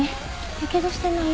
やけどしてない？